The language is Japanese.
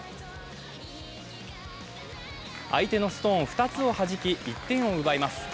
相手のストーン２つをはじき１点を奪います。